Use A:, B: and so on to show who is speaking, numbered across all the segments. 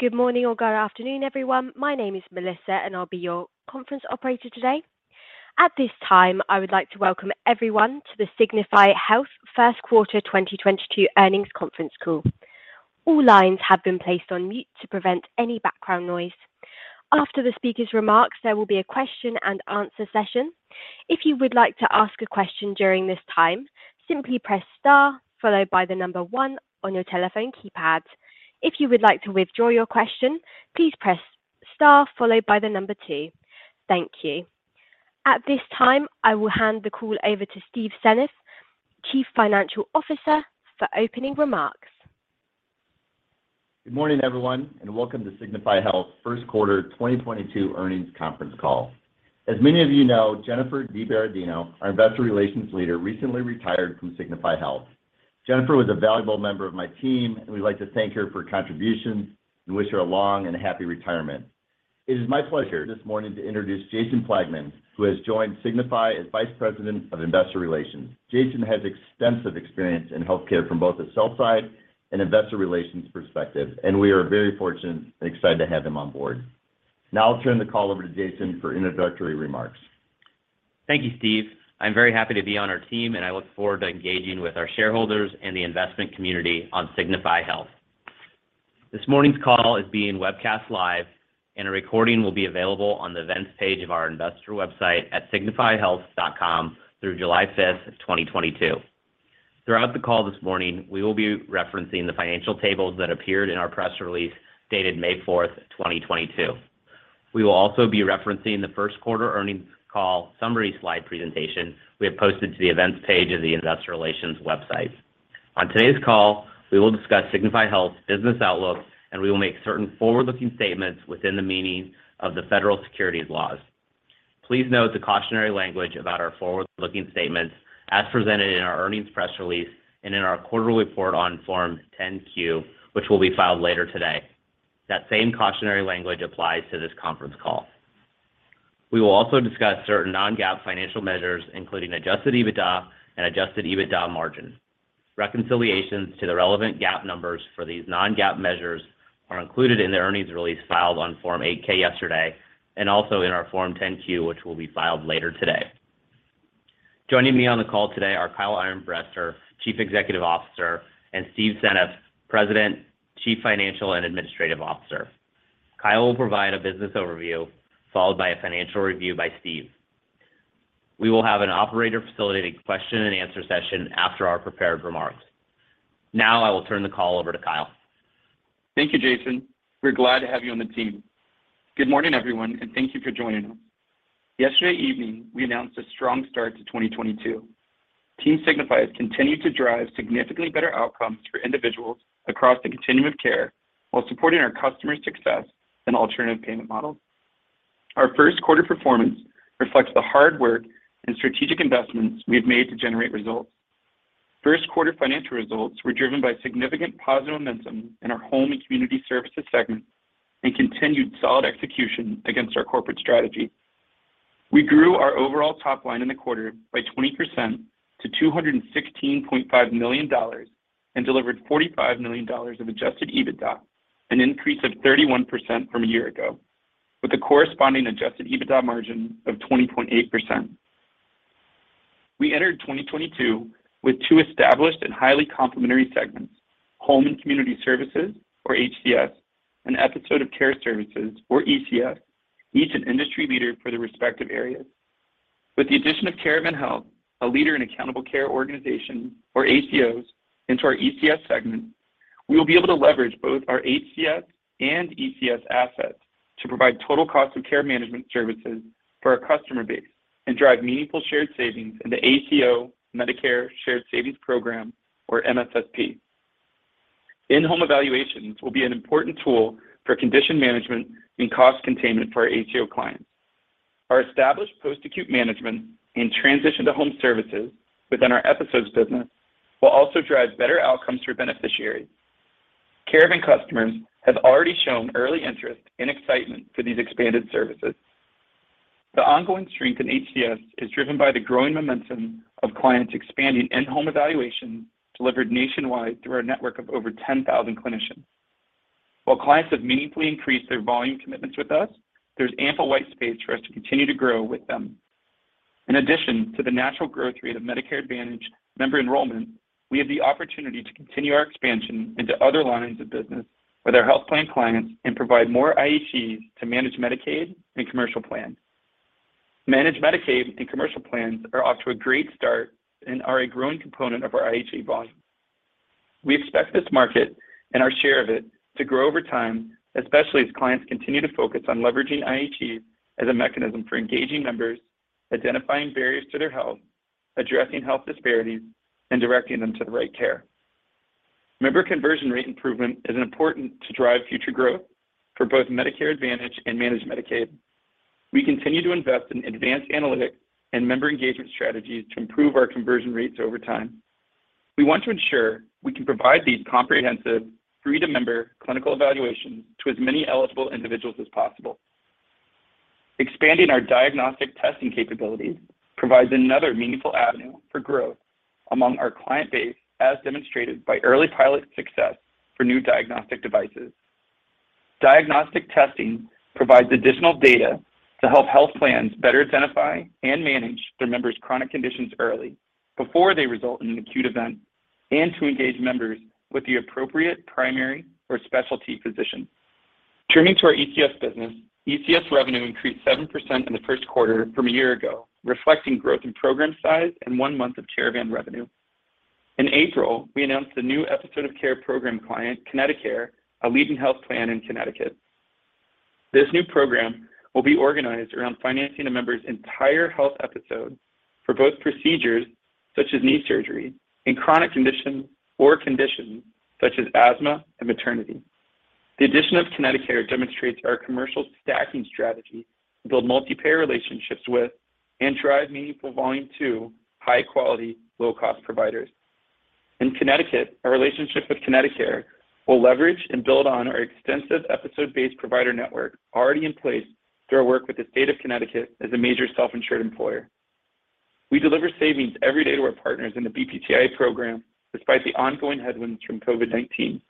A: Good morning or good afternoon, everyone. My name is Melissa, and I'll be your conference operator today. At this time, I would like to welcome everyone to the Signify Health Q1 2022 Earnings Conference Call. All lines have been placed on mute to prevent any background noise. After the speaker's remarks, there will be a Q&A session. If you would like to ask a question during this time, simply press star followed by the number one on your telephone keypad. If you would like to withdraw your question, please press star followed by the number two. Thank you. At this time, I will hand the call over to Steven Senneff, Chief Financial Officer, for opening remarks.
B: Good morning, everyone, and welcome to Signify Health Q1 2022 Earnings Conference Call. As many of you know, Jennifer DiBerardino, our investor relations leader, recently retired from Signify Health. Jennifer was a valuable member of my team, and we'd like to thank her for her contributions and wish her a long and happy retirement. It is my pleasure this morning to introduce Jason Plagman, who has joined Signify as Vice President of investor relations. Jason has extensive experience in healthcare from both the sell side and investor relations perspective, and we are very fortunate and excited to have him on board. Now I'll turn the call over to Jason for introductory remarks.
C: Thank you, Steve. I'm very happy to be on our team, and I look forward to engaging with our shareholders and the investment community on Signify Health. This morning's call is being webcast live, and a recording will be available on the Events page of our investor website at signifyhealth.com through July 5, 2022. Throughout the call this morning, we will be referencing the financial tables that appeared in our press release dated May 4, 2022. We will also be referencing the Q1 earnings call summary slide presentation we have posted to the Events page of the investor relations website. On today's call, we will discuss Signify Health's business outlook, and we will make certain forward-looking statements within the meaning of the federal securities laws. Please note the cautionary language about our forward-looking statements as presented in our earnings press release and in our quarterly report on Form 10-Q, which will be filed later today. That same cautionary language applies to this conference call. We will also discuss certain non-GAAP financial measures, including adjusted EBITDA and adjusted EBITDA margin. Reconciliations to the relevant GAAP numbers for these non-GAAP measures are included in the earnings release filed on Form 8-K yesterday and also in our Form 10-Q, which will be filed later today. Joining me on the call today are Kyle Armbrester, Chief Executive Officer, and Steven Senneff, President, Chief Financial and Administrative Officer. Kyle will provide a business overview followed by a financial review by Steve. We will have an operator-facilitated Q&A session after our prepared remarks. Now I will turn the call over to Kyle.
D: Thank you, Jason. We're glad to have you on the team. Good morning, everyone, and thank you for joining us. Yesterday evening, we announced a strong start to 2022. Team Signify has continued to drive significantly better outcomes for individuals across the continuum of care while supporting our customers' success in alternative payment models. Our Q1 performance reflects the hard work and strategic investments we have made to generate results. Q1 financial results were driven by significant positive momentum in our Home and Community Services segment and continued solid execution against our corporate strategy. We grew our overall top line in the quarter by 20% to $216.5 million and delivered $45 million of adjusted EBITDA, an increase of 31% from a year ago, with a corresponding adjusted EBITDA margin of 20.8%. We entered 2022 with two established and highly complementary segments, home and community services or HCS, and episode of care services or ECS, each an industry leader for their respective areas. With the addition of Caravan Health, a leader in accountable care organization or ACOs into our ECS segment, we will be able to leverage both our HCS and ECS assets to provide total cost of care management services for our customer base and drive meaningful shared savings in the ACO Medicare Shared Savings Program or MSSP. In-home evaluations will be an important tool for condition management and cost containment for our ACO clients. Our established post-acute management and transition to home services within our episodes business will also drive better outcomes for beneficiaries. Caravan customers have already shown early interest and excitement for these expanded services. The ongoing strength in HCS is driven by the growing momentum of clients expanding in-home evaluation delivered nationwide through our network of over 10,000 clinicians. While clients have meaningfully increased their volume commitments with us, there's ample white space for us to continue to grow with them. In addition to the natural growth rate of Medicare Advantage member enrollment, we have the opportunity to continue our expansion into other lines of business with our health plan clients and provide more IHEs to managed Medicaid and commercial plans. Managed Medicaid and commercial plans are off to a great start and are a growing component of our IHE volume. We expect this market and our share of it to grow over time, especially as clients continue to focus on leveraging IHE as a mechanism for engaging members, identifying barriers to their health, addressing health disparities, and directing them to the right care. Member conversion rate improvement is important to drive future growth for both Medicare Advantage and Managed Medicaid. We continue to invest in advanced analytics and member engagement strategies to improve our conversion rates over time. We want to ensure we can provide these comprehensive free-to-member clinical evaluations to as many eligible individuals as possible. Expanding our diagnostic testing capabilities provides another meaningful avenue for growth among our client base, as demonstrated by early pilot success for new diagnostic devices. Diagnostic testing provides additional data to help health plans better identify and manage their members' chronic conditions early before they result in an acute event, and to engage members with the appropriate primary or specialty physician. Turning to our ECS business. ECS revenue increased 7% in the Q1 from a year ago, reflecting growth in program size and one month of Caravan revenue. In April, we announced a new episode of care program client, ConnectiCare, a leading health plan in Connecticut. This new program will be organized around financing a member's entire health episode for both procedures such as knee surgery and chronic condition or conditions such as asthma and maternity. The addition of ConnectiCare demonstrates our commercial stacking strategy to build multi-payer relationships with and drive meaningful volume to high-quality, low-cost providers. In Connecticut, our relationship with ConnectiCare will leverage and build on our extensive episode-based provider network already in place through our work with the state of Connecticut as a major self-insured employer. We deliver savings every day to our partners in the BPCI-A program despite the ongoing headwinds from COVID-19.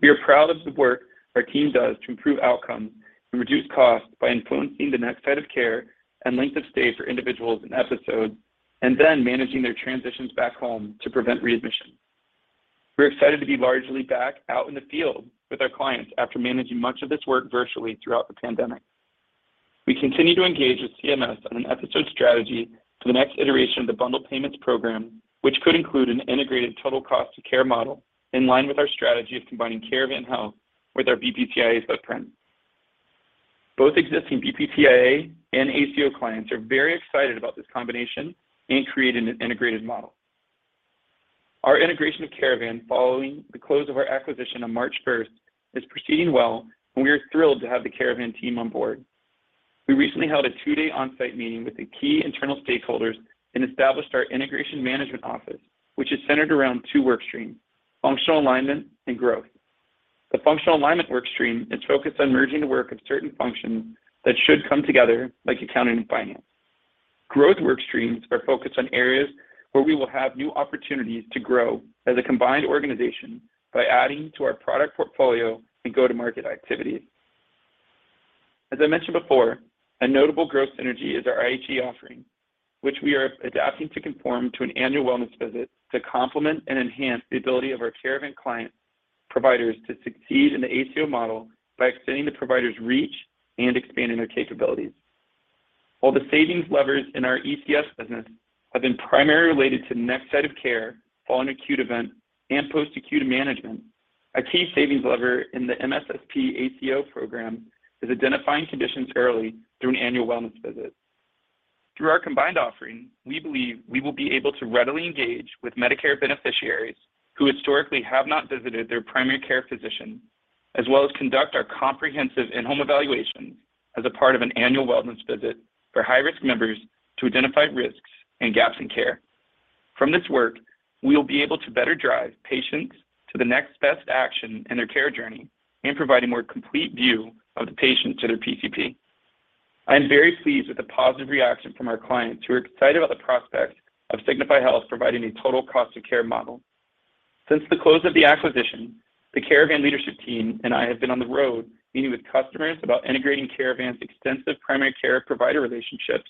D: We are proud of the work our team does to improve outcomes and reduce costs by influencing the next site of care and length of stay for individuals in episodes, and then managing their transitions back home to prevent readmission. We're excited to be largely back out in the field with our clients after managing much of this work virtually throughout the pandemic. We continue to engage with CMS on an episode strategy for the next iteration of the bundled payments program, which could include an integrated total cost of care model in line with our strategy of combining Caravan Health with our BPCI-A footprint. Both existing BPCI-A and ACO clients are very excited about this combination and creating an integrated model. Our integration of Caravan following the close of our acquisition on March first is proceeding well, and we are thrilled to have the Caravan team on board. We recently held a two-day on-site meeting with the key internal stakeholders and established our integration management office, which is centered around two work streams, functional alignment and growth. The functional alignment work stream is focused on merging the work of certain functions that should come together, like accounting and finance. Growth work streams are focused on areas where we will have new opportunities to grow as a combined organization by adding to our product portfolio and go-to-market activities. As I mentioned before, a notable growth synergy is our IHE offering, which we are adapting to conform to an annual wellness visit to complement and enhance the ability of our Caravan client providers to succeed in the ACO model by extending the provider's reach and expanding their capabilities. While the savings levers in our ECS business have been primarily related to next site of care following acute event and post-acute management, our key savings lever in the MSSP ACO program is identifying conditions early through an annual wellness visit. Through our combined offering, we believe we will be able to readily engage with Medicare beneficiaries who historically have not visited their primary care physician, as well as conduct our comprehensive in-home evaluation as a part of an annual wellness visit for high-risk members to identify risks and gaps in care. From this work, we will be able to better drive patients to the next best action in their care journey and provide a more complete view of the patient to their PCP. I am very pleased with the positive reaction from our clients who are excited about the prospect of Signify Health providing a total cost of care model. Since the close of the acquisition, the Caravan leadership team and I have been on the road meeting with customers about integrating Caravan's extensive primary care provider relationships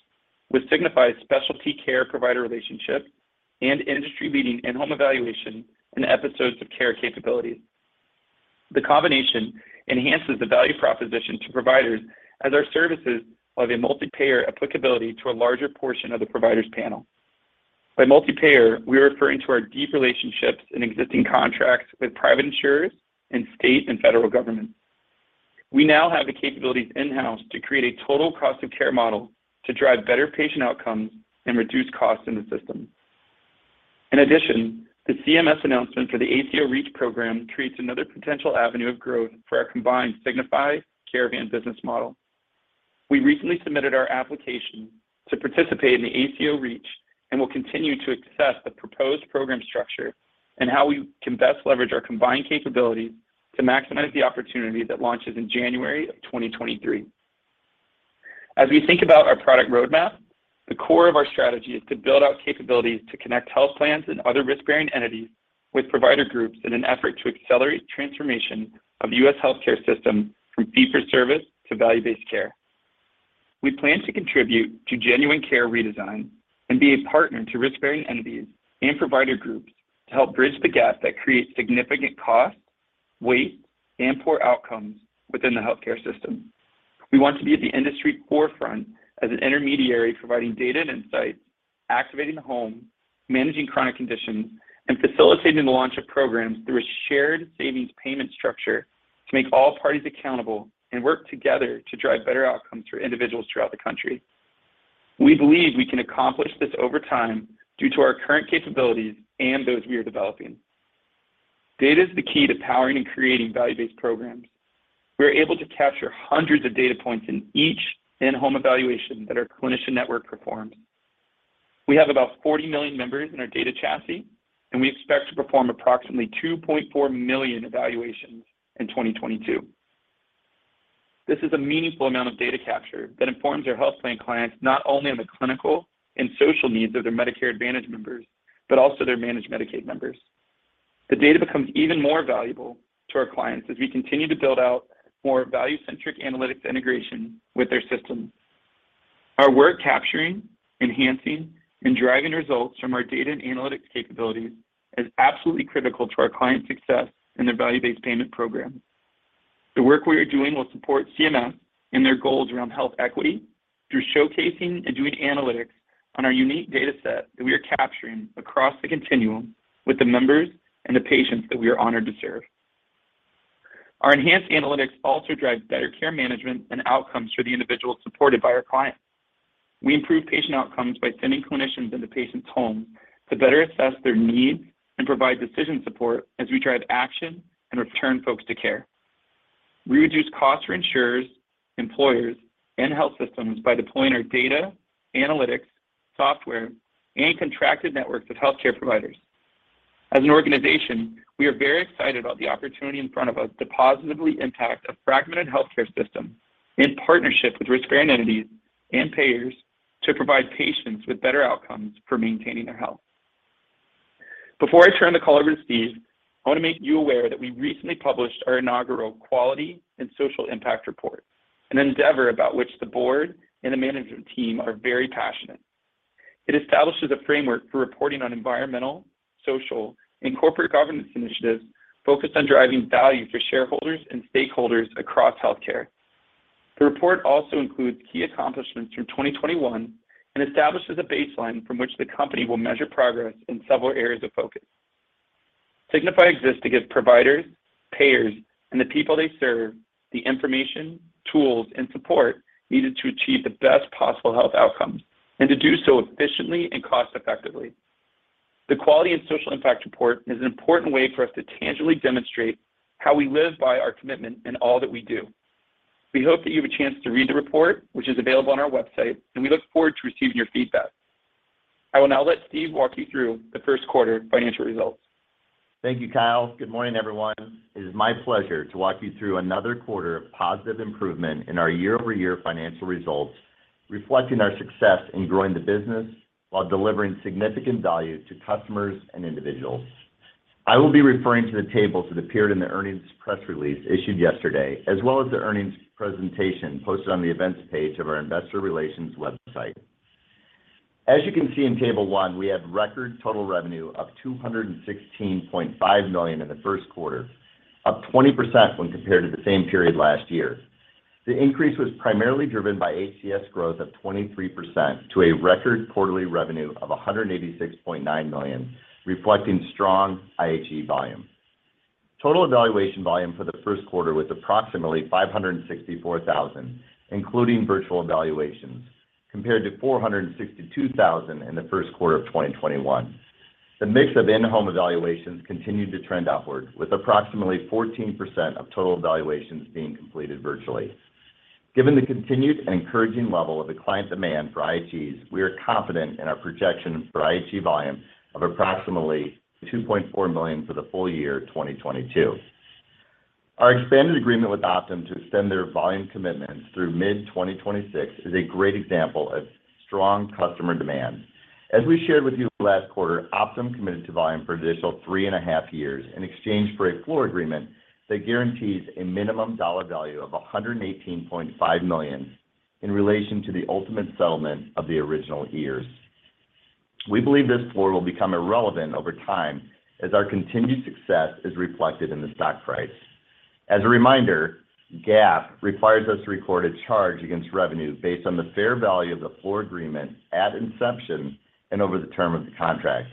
D: with Signify's specialty care provider relationship and industry-leading in-home evaluation and episodes of care capabilities. The combination enhances the value proposition to providers as our services have a multi-payer applicability to a larger portion of the provider's panel. By multi-payer, we are referring to our deep relationships and existing contracts with private insurers and state and federal governments. We now have the capabilities in-house to create a total cost of care model to drive better patient outcomes and reduce costs in the system. In addition, the CMS announcement for the ACO REACH program creates another potential avenue of growth for our combined Signify Caravan business model. We recently submitted our application to participate in the ACO REACH and will continue to assess the proposed program structure and how we can best leverage our combined capabilities to maximize the opportunity that launches in January 2023. As we think about our product roadmap, the core of our strategy is to build out capabilities to connect health plans and other risk-bearing entities with provider groups in an effort to accelerate transformation of U.S. healthcare system from fee-for-service to value-based care. We plan to contribute to genuine care redesign and be a partner to risk-bearing entities and provider groups to help bridge the gap that creates significant cost, waste, and poor outcomes within the healthcare system. We want to be at the industry forefront as an intermediary, providing data and insights, activating the home, managing chronic conditions, and facilitating the launch of programs through a shared savings payment structure to make all parties accountable and work together to drive better outcomes for individuals throughout the country. We believe we can accomplish this over time due to our current capabilities and those we are developing. Data is the key to powering and creating value-based programs. We are able to capture hundreds of data points in each in-home evaluation that our clinician network performs. We have about 40 million members in our data chassis, and we expect to perform approximately 2.4 million evaluations in 2022. This is a meaningful amount of data capture that informs our health plan clients not only on the clinical and social needs of their Medicare Advantage members, but also their managed Medicaid members. The data becomes even more valuable to our clients as we continue to build out more value-centric analytics integration with their systems. Our work capturing, enhancing, and driving results from our data and analytics capabilities is absolutely critical to our clients' success in their value-based payment program. The work we are doing will support CMS in their goals around health equity through showcasing and doing analytics on our unique data set that we are capturing across the continuum with the members and the patients that we are honored to serve. Our enhanced analytics also drives better care management and outcomes for the individuals supported by our clients. We improve patient outcomes by sending clinicians into patients' homes to better assess their needs and provide decision support as we drive action and return folks to care. We reduce costs for insurers, employers, and health systems by deploying our data, analytics, software, and contracted networks of healthcare providers. As an organization, we are very excited about the opportunity in front of us to positively impact a fragmented healthcare system in partnership with risk-bearing entities and payers to provide patients with better outcomes for maintaining their health. Before I turn the call over to Steve, I want to make you aware that we recently published our inaugural Quality and Social Impact Report, an endeavor about which the board and the management team are very passionate. It establishes a framework for reporting on environmental, social, and corporate governance initiatives focused on driving value for shareholders and stakeholders across healthcare. The report also includes key accomplishments from 2021 and establishes a baseline from which the company will measure progress in several areas of focus. Signify exists to give providers, payers, and the people they serve the information, tools, and support needed to achieve the best possible health outcomes, and to do so efficiently and cost effectively. The Quality and Social Impact Report is an important way for us to tangibly demonstrate how we live by our commitment in all that we do. We hope that you have a chance to read the report, which is available on our website, and we look forward to receiving your feedback. I will now let Steve walk you through the Q1 financial results.
B: Thank you, Kyle. Good morning, everyone. It is my pleasure to walk you through another quarter of positive improvement in our year-over-year financial results, reflecting our success in growing the business while delivering significant value to customers and individuals. I will be referring to the tables that appeared in the earnings press release issued yesterday, as well as the earnings presentation posted on the events page of our investor relations website. As you can see in table one, we had record total revenue of $216.5 million in the Q1, up 20% when compared to the same period last year. The increase was primarily driven by HCS growth of 23% to a record quarterly revenue of $186.9 million, reflecting strong IHE volume. Total evaluation volume for the Q1 was approximately 564,000, including virtual evaluations, compared to 462,000 in the Q1 of 2021. The mix of in-home evaluations continued to trend upward, with approximately 14% of total evaluations being completed virtually. Given the continued and encouraging level of the client demand for IHEs, we are confident in our projections for IHE volume of approximately 2.4 million for the full year 2022. Our expanded agreement with Optum to extend their volume commitments through mid-2026 is a great example of strong customer demand. As we shared with you last quarter, Optum committed to volume for an additional three and a half years in exchange for a floor agreement that guarantees a minimum dollar value of $118.5 million in relation to the ultimate settlement of the original years. We believe this floor will become irrelevant over time as our continued success is reflected in the stock price. As a reminder, GAAP requires us to record a charge against revenue based on the fair value of the floor agreement at inception and over the term of the contract.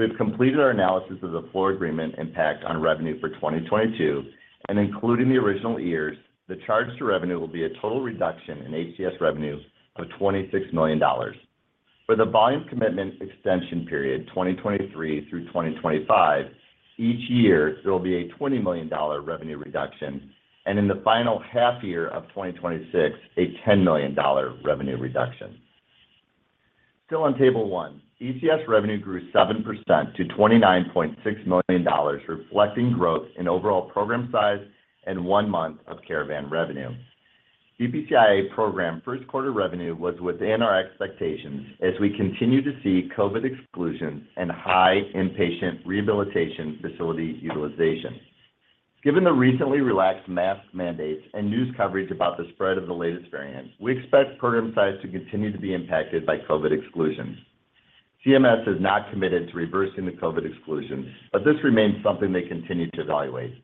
B: We have completed our analysis of the floor agreement impact on revenue for 2022, and including the original years, the charge to revenue will be a total reduction in HCS revenues of $26 million. For the volume commitment extension period, 2023 through 2025, each year there will be a $20 million revenue reduction, and in the final half year of 2026, a $10 million revenue reduction. Still on table one, ECS revenue grew 7% to $29.6 million, reflecting growth in overall program size and one month of Caravan revenue. BPCI-A program Q1 revenue was within our expectations as we continue to see COVID exclusions and high inpatient rehabilitation facility utilization. Given the recently relaxed mask mandates and news coverage about the spread of the latest variant, we expect program size to continue to be impacted by COVID exclusions. CMS has not committed to reversing the COVID exclusions, but this remains something they continue to evaluate.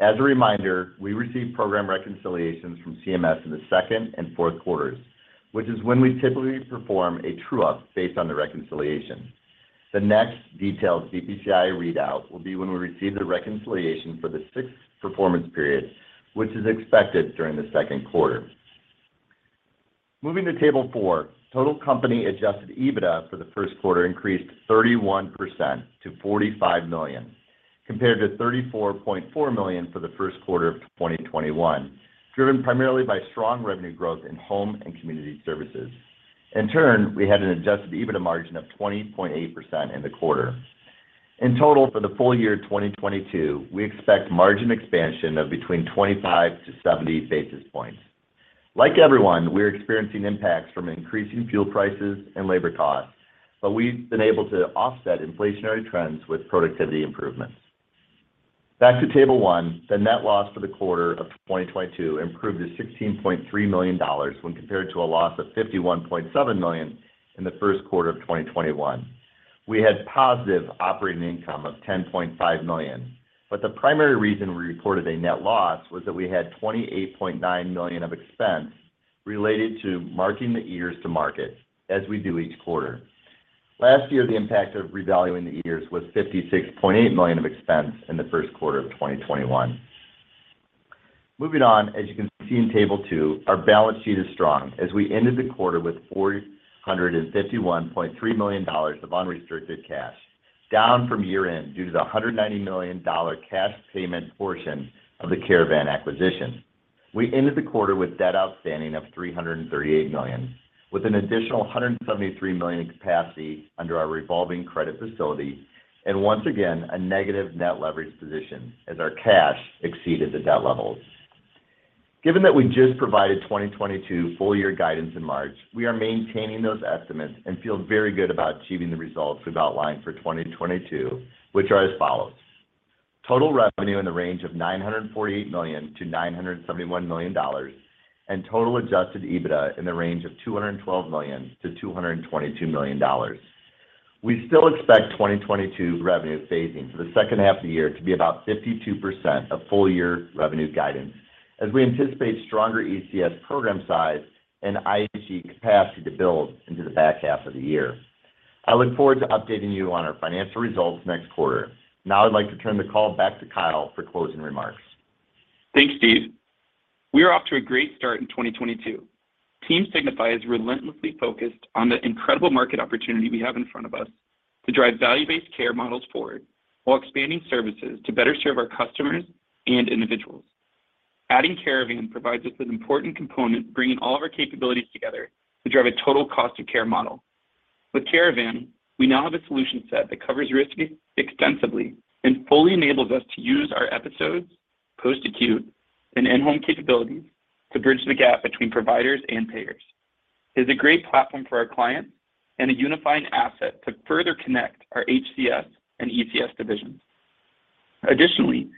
B: As a reminder, we receive program reconciliations from CMS in the second and Q4, which is when we typically perform a true-up based on the reconciliation. The next detailed BPCI-A readout will be when we receive the reconciliation for the sixth performance period, which is expected during the Q2. Moving to table four, total company adjusted EBITDA for the Q1 increased 31% to $45 million. Compared to $34.4 million for the Q1 of 2021, driven primarily by strong revenue growth in home and community services. In turn, we had an adjusted EBITDA margin of 20.8% in the quarter. In total, for the full year of 2022, we expect margin expansion of between 25-70 basis points. Like everyone, we're experiencing impacts from increasing fuel prices and labor costs, but we've been able to offset inflationary trends with productivity improvements. Back to Table 1, the net loss for the quarter of 2022 improved to $16.3 million when compared to a loss of $51.7 million in the Q1 of 2021. We had positive operating income of $10.5 million. The primary reason we reported a net loss was that we had $28.9 million of expense related to marking the warrants to market as we do each quarter. Last year, the impact of revaluing the warrants was $56.8 million of expense in the Q1 of 2021. Moving on, as you can see in Table two, our balance sheet is strong as we ended the quarter with $451.3 million of unrestricted cash, down from year-end due to the $190 million cash payment portion of the Caravan acquisition. We ended the quarter with debt outstanding of $338 million, with an additional $173 million in capacity under our revolving credit facility, and once again, a negative net leverage position as our cash exceeded the debt levels. Given that we just provided 2022 full year guidance in March, we are maintaining those estimates and feel very good about achieving the results we've outlined for 2022, which are as follows, total revenue in the range of $948 million-$971 million, and total adjusted EBITDA in the range of $212 million-$222 million. We still expect 2022 revenue phasing for the second half of the year to be about 52% of full year revenue guidance as we anticipate stronger ECS program size and IHC capacity to build into the back half of the year. I look forward to updating you on our financial results next quarter. Now I'd like to turn the call back to Kyle for closing remarks.
D: Thanks, Steve. We are off to a great start in 2022. Team Signify is relentlessly focused on the incredible market opportunity we have in front of us to drive value-based care models forward while expanding services to better serve our customers and individuals. Adding Caravan provides us an important component, bringing all of our capabilities together to drive a total cost of care model. With Caravan, we now have a solution set that covers risk extensively and fully enables us to use our episodes, post-acute, and in-home capabilities to bridge the gap between providers and payers. It's a great platform for our clients and a unifying asset to further connect our HCS and ECS divisions. Additionally,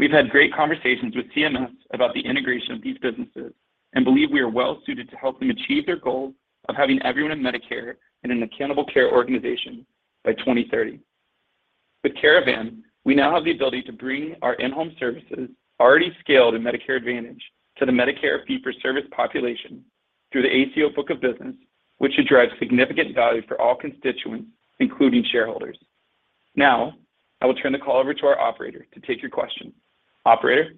D: we've had great conversations with CMS about the integration of these businesses and believe we are well suited to help them achieve their goals of having everyone in Medicare in an accountable care organization by 2030. With Caravan, we now have the ability to bring our in-home services already scaled in Medicare Advantage to the Medicare fee-for-service population through the ACO book of business, which should drive significant value for all constituents, including shareholders. Now I will turn the call over to our operator to take your question. Operator?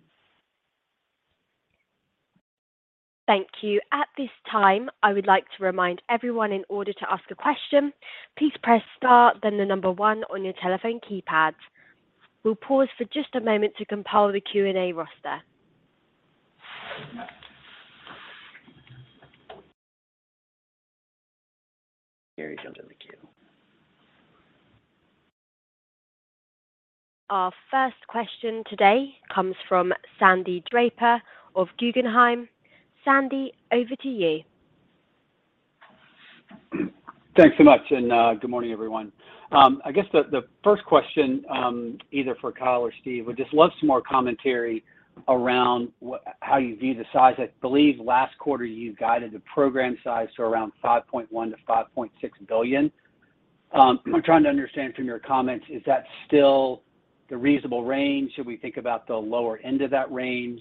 A: Thank you. At this time, I would like to remind everyone in order to ask a question, please press star, then the number one on your telephone keypad. We'll pause for just a moment to compile the Q&A roster.
B: Harry's onto the queue.
A: Our first question today comes from Sandy Draper of Guggenheim. Sandy, over to you.
E: Thanks so much, and good morning, everyone. I guess the first question, either for Kyle or Steve, would just love some more commentary around how you view the size. I believe last quarter you guided the program size to around $5.1 billion-$5.6 billion. I'm trying to understand from your comments, is that still the reasonable range? Should we think about the lower end of that range?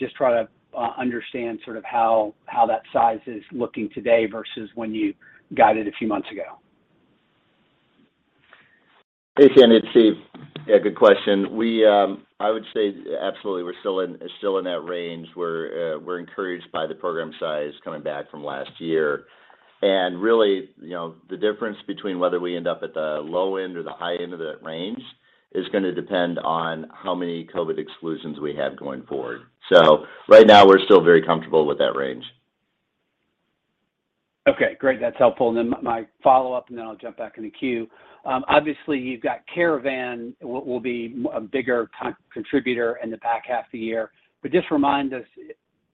E: Just trying to understand sort of how that size is looking today versus when you got it a few months ago.
B: Hey, Sandy, it's Steve. Yeah, good question. We, I would say absolutely, we're still in that range. We're encouraged by the program size coming back from last year. Really, you know, the difference between whether we end up at the low end or the high end of that range is gonna depend on how many COVID exclusions we have going forward. Right now, we're still very comfortable with that range.
E: Okay, great. That's helpful. My follow-up, and then I'll jump back in the queue. Obviously, you've got Caravan will be a bigger contributor in the back half of the year. Just remind us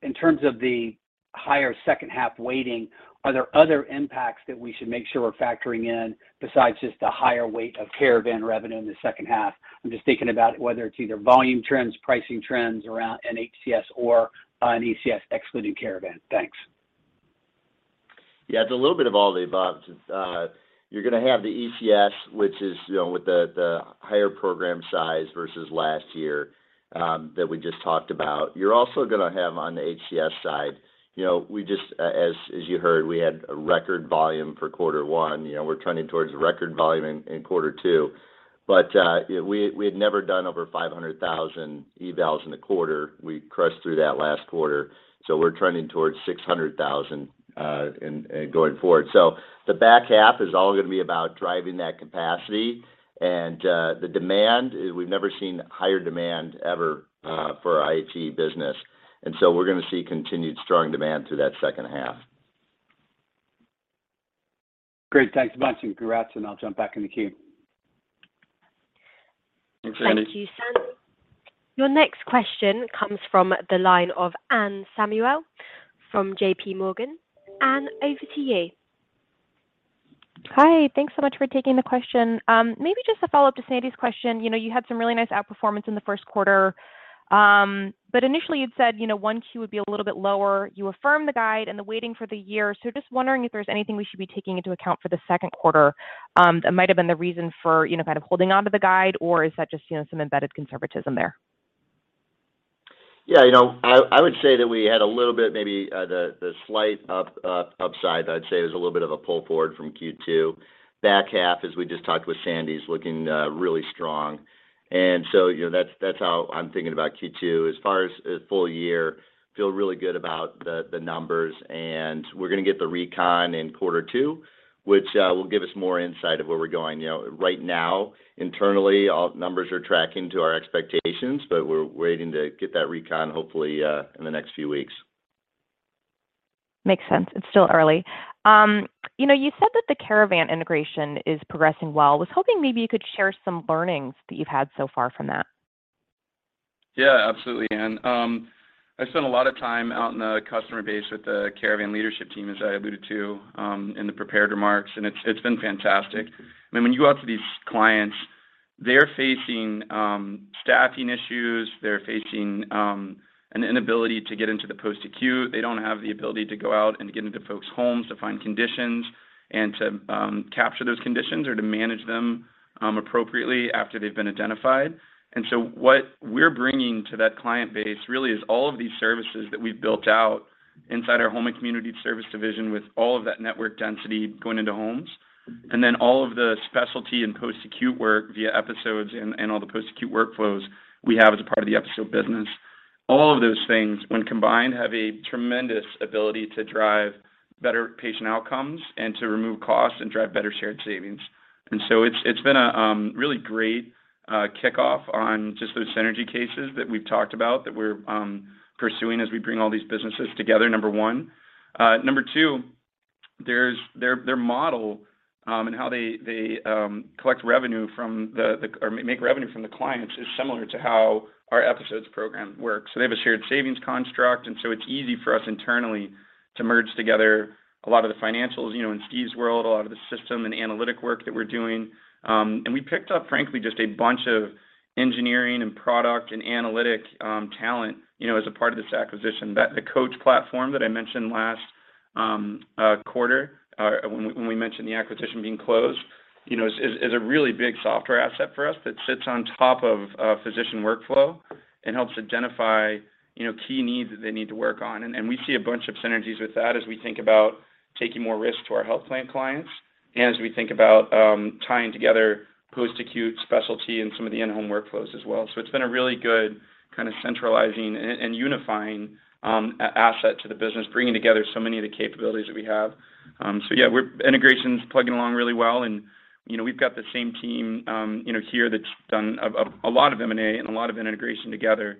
E: in terms of the higher second half weighting, are there other impacts that we should make sure we're factoring in besides just the higher weight of Caravan revenue in the second half? I'm just thinking about whether it's either volume trends, pricing trends around an HCS or an ECS excluding Caravan. Thanks.
B: Yeah, it's a little bit of all the above. It's, you're gonna have the ECS, which is, you know, with the higher program size versus last year, that we just talked about. You're also gonna have on the HCS side You know, we just, as you heard, we had a record volume for quarter one. You know, we're trending towards a record volume in quarter two. You know, we had never done over 500,000 evals in a quarter. We crushed through that last quarter. We're trending towards 600,000 in going forward. The back half is all gonna be about driving that capacity. The demand is we've never seen higher demand ever for our IHE business. We're gonna see continued strong demand through that second half.
E: Great. Thanks much, and congrats, and I'll jump back in the queue.
D: Thanks, Sandy.
A: Thank you, Sandy. Your next question comes from the line of Anne Samuel from JPMorgan. Anne, over to you.
F: Hi. Thanks so much for taking the question. Maybe just a follow-up to Sandy's question. You know, you had some really nice outperformance in the Q1. But initially, you'd said, you know, Q1 would be a little bit lower. You affirmed the guide and the weighting for the year. Just wondering if there's anything we should be taking into account for the Q2, that might have been the reason for, you know, kind of holding onto the guide, or is that just, you know, some embedded conservatism there?
D: You know, I would say that we had a little bit, maybe, the slight upside that I'd say is a little bit of a pull forward from Q2. Back half, as we just talked with Sandy, is looking really strong. You know, that's how I'm thinking about Q2. As far as a full year, feel really good about the numbers, and we're gonna get the recon in quarter two, which will give us more insight of where we're going. You know, right now, internally, all numbers are tracking to our expectations, but we're waiting to get that recon, hopefully, in the next few weeks.
F: Makes sense. It's still early. You know, you said that the Caravan integration is progressing well. I was hoping maybe you could share some learnings that you've had so far from that.
D: Yeah, absolutely, Anne. I spent a lot of time out in the customer base with the Caravan leadership team, as I alluded to, in the prepared remarks, and it's been fantastic. I mean, when you go out to these clients, they're facing staffing issues. They're facing an inability to get into the post-acute. They don't have the ability to go out and get into folks' homes to find conditions and to capture those conditions or to manage them appropriately after they've been identified. What we're bringing to that client base really is all of these services that we've built out inside our Home and Community Services division with all of that network density going into homes, and then all of the specialty and post-acute work via episodes and all the post-acute workflows we have as a part of the episode business. All of those things, when combined, have a tremendous ability to drive better patient outcomes and to remove costs and drive better shared savings. It's been a really great kickoff on just those synergy cases that we've talked about that we're pursuing as we bring all these businesses together, number one. Number two, there's their model and how they collect revenue from the or make revenue from the clients is similar to how our episodes program works. They have a shared savings construct, and it's easy for us internally to merge together a lot of the financials, you know, in Steve's world, a lot of the system and analytic work that we're doing. We picked up, frankly, just a bunch of engineering and product and analytic talent, you know, as a part of this acquisition. The Caravan Coach that I mentioned last quarter, when we mentioned the acquisition being closed, you know, is a really big software asset for us that sits on top of physician workflow and helps identify, you know, key needs that they need to work on. We see a bunch of synergies with that as we think about taking more risk to our health plan clients, and as we think about tying together post-acute specialty and some of the in-home workflows as well. It's been a really good kind of centralizing and unifying asset to the business, bringing together so many of the capabilities that we have. Yeah, integration's plugging along really well and, you know, we've got the same team, you know, here that's done a lot of M&A and a lot of integration together.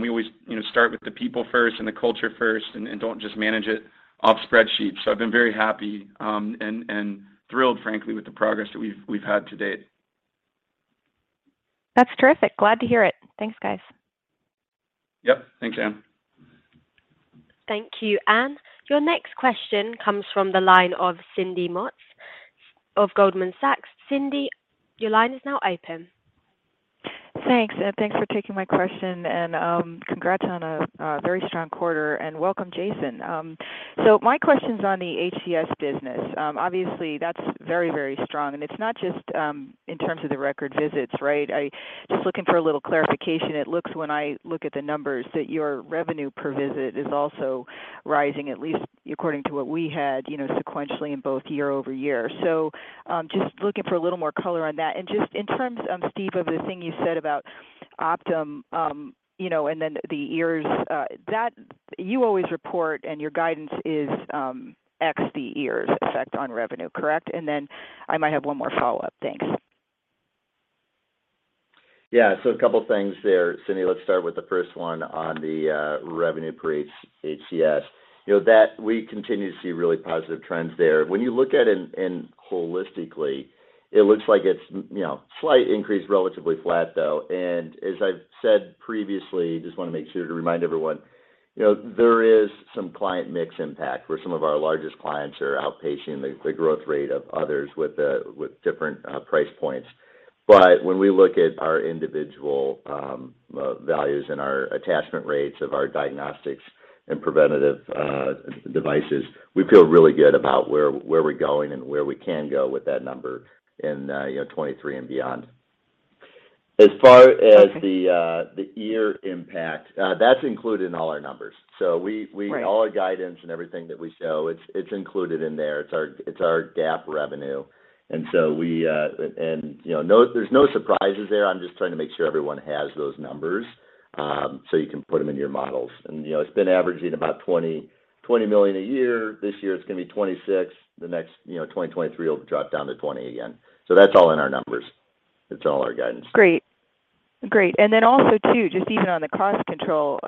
D: We always, you know, start with the people first and the culture first and don't just manage it off spreadsheets. I've been very happy and thrilled, frankly, with the progress that we've had to date.
F: That's terrific. Glad to hear it. Thanks, guys.
D: Yep. Thanks, Anne.
A: Thank you, Anne. Your next question comes from the line of Cindy Motz of Goldman Sachs. Cindy, your line is now open.
G: Thanks, and thanks for taking my question. Congrats on a very strong quarter, and welcome, Jason. My question's on the HCS business. Obviously, that's very, very strong, and it's not just in terms of the record visits, right? Just looking for a little clarification. It looks, when I look at the numbers, that your revenue per visit is also rising, at least according to what we had, you know, both sequentially and year-over-year. Just looking for a little more color on that. Just in terms, Steve, of the thing you said about Optum, you know, and then the earnout that you always report and your guidance is ex earnout effect on revenue, correct? I might have one more follow-up. Thanks.
H: Yeah. A couple things there, Cindy. Let's start with the first one on the revenue per HCS. You know, that we continue to see really positive trends there. When you look at it and holistically, it looks like it's you know, slight increase, relatively flat, though. As I've said previously, just wanna make sure to remind everyone, you know, there is some client mix impact, where some of our largest clients are outpacing the growth rate of others with different price points. But when we look at our individual values and our attachment rates of our diagnostics and preventative devices, we feel really good about where we're going and where we can go with that number in you know, 2023 and beyond.
B: As far as the year impact, that's included in all our numbers.
G: Right.
B: All our guidance and everything that we show, it's included in there. It's our GAAP revenue. You know, there's no surprises there. I'm just trying to make sure everyone has those numbers, so you can put them into your models. You know, it's been averaging about $20 million a year. This year it's gonna be $26 million. The next, you know, 2023, it'll drop down to $20 million again. That's all in our numbers. It's all our guidance.
G: Great. Then also too, just even on the cost control,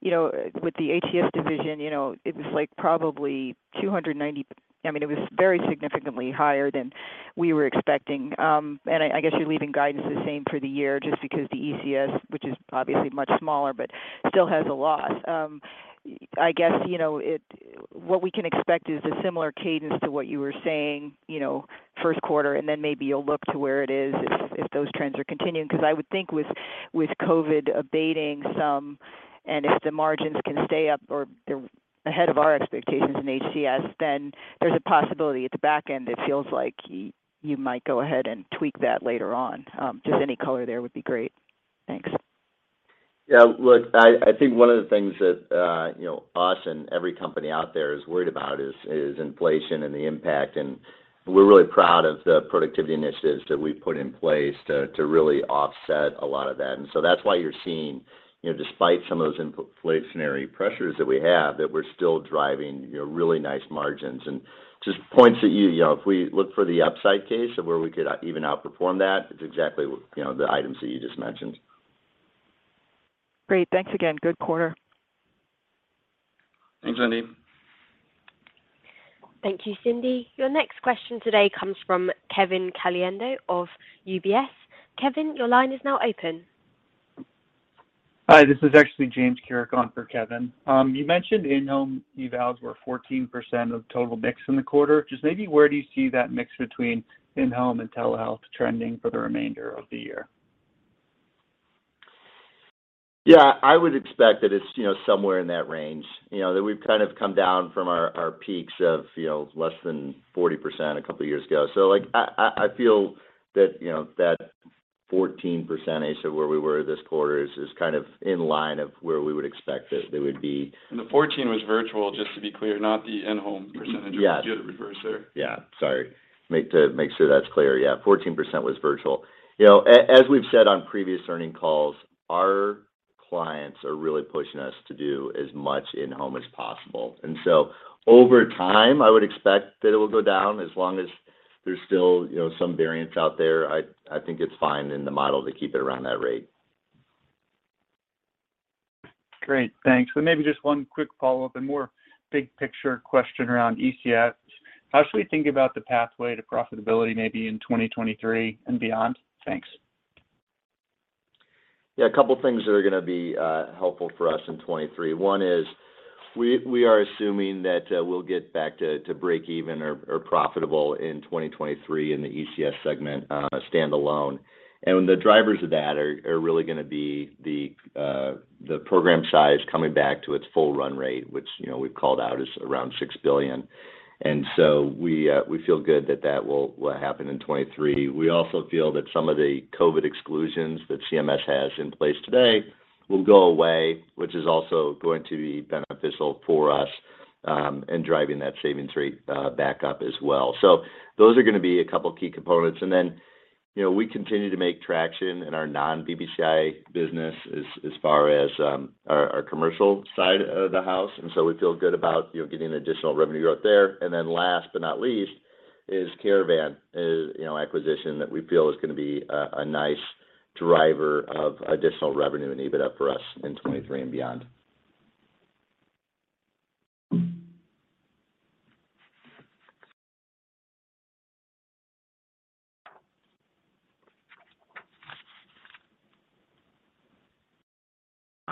G: you know, with the HCS division, you know, it was like probably $290. I mean, it was very significantly higher than we were expecting. I guess you're leaving guidance the same for the year just because the ECS, which is obviously much smaller but still has a loss. I guess, you know, what we can expect is a similar cadence to what you were saying, you know, Q1 and then maybe you'll look to where it is if those trends are continuing. 'Cause I would think with COVID abating some, and if the margins can stay up or they're ahead of our expectations in HCS, then there's a possibility at the back end. It feels like you might go ahead and tweak that later on. Just any color there would be great. Thanks.
B: Yeah. Look, I think one of the things that, you know, us and every company out there is worried about is inflation and the impact. We're really proud of the productivity initiatives that we've put in place to really offset a lot of that. That's why you're seeing, you know, despite some of those inflationary pressures that we have, that we're still driving, you know, really nice margins. Just points at you know, if we look for the upside case of where we could even outperform that, it's exactly what, you know, the items that you just mentioned.
G: Great. Thanks again. Good quarter.
B: Thanks, Cindy.
A: Thank you, Cindy. Your next question today comes from Kevin Caliendo of UBS. Kevin, your line is now open.
I: Hi, this is actually James Carrig on for Kevin. You mentioned in-home evals were 14% of total mix in the quarter. Just maybe where do you see that mix between in-home and telehealth trending for the remainder of the year?
B: Yeah, I would expect that it's, you know, somewhere in that range. You know, that we've kind of come down from our peaks of, you know, less than 40% a couple of years ago. Like, I feel that, you know, that 14% of where we were this quarter is kind of in line with where we would expect it would be.
I: The 14 was virtual, just to be clear, not the in-home percentage.
B: Yeah.
I: Just to reverse there.
B: Yeah, sorry. To make sure that's clear. Yeah, 14% was virtual. You know, as we've said on previous earnings calls, our clients are really pushing us to do as much in-home as possible. Over time, I would expect that it will go down as long as there's still, you know, some variance out there. I think it's fine in the model to keep it around that rate.
I: Great. Thanks. Maybe just one quick follow-up and more big picture question around ECS. How should we think about the pathway to profitability maybe in 2023 and beyond? Thanks.
B: Yeah, a couple of things that are gonna be helpful for us in 2023. One is we are assuming that we'll get back to break even or profitable in 2023 in the ECS segment, standalone. The drivers of that are really gonna be the program size coming back to its full run rate, which, you know, we've called out is around $6 billion. We feel good that that will happen in 2023. We also feel that some of the COVID exclusions that CMS has in place today will go away, which is also going to be beneficial for us in driving that savings rate back up as well. Those are gonna be a couple of key components. You know, we continue to make traction in our non-BPCI business as far as our commercial side of the house, and so we feel good about, you know, getting additional revenue growth there. Last but not least is Caravan, you know, acquisition that we feel is gonna be a nice driver of additional revenue and EBITDA for us in 2023 and beyond.